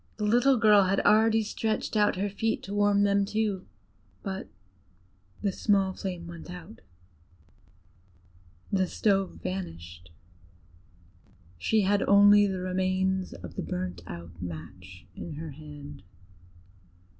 The little girl had already stretched out her feet to warm them too; but the small flame went out, the stove vanished: she had only the remains of the burnt out match in her hand.